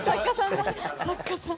作家さんだ。